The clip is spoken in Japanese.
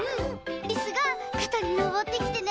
リスがかたにのぼってきてね